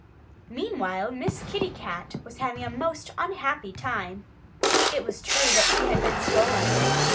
Meanwhile Miss Kitty Cat was having a most unhappy time. It was true that she had been stolen.